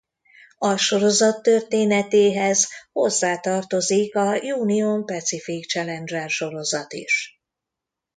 A sorozat történetéhez hozzátartozik a Union Pacific Challenger sorozat is.